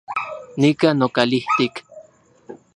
Nika nokalijtik